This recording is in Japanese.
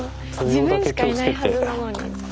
自分しかいないはずなのにって。